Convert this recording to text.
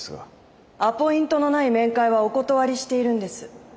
アポイントのない面会はお断りしているんです。